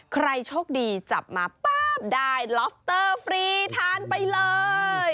ใครโชคดีจับมาป๊าบได้ล็อฟเตอร์ฟรีทานไปเลย